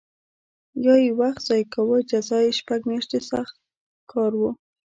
یا یې وخت ضایع کاوه جزا یې شپږ میاشتې سخت کار و